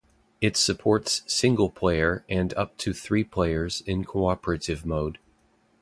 It supports single player and up to three players in cooperative mode.